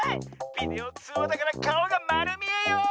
ビデオつうわだからかおがまるみえよ！